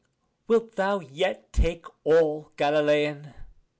Wilt thou yet take all, Galilean?